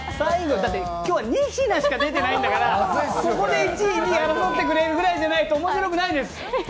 だって、今日は２品しか出てないんだから、そこで１位、２位争ってくれるぐらいじゃないと面白くないです。